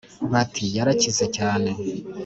bati : yarakize cyane